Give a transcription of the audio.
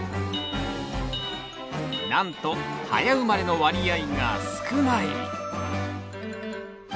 なんと早生まれの割合が少ない！